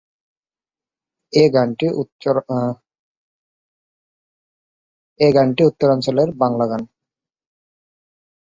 এ গানটি উত্তরাঞ্চলের বাংলা গান।